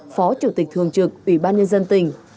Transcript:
phó chủ tịch thường trực ủy ban nhân dân tỉnh